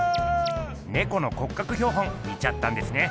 ねこの骨格標本見ちゃったんですね。